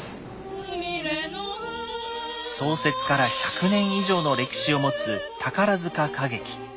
創設から１００年以上の歴史を持つ宝歌劇。